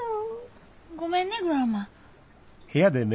ごめんねグランマ。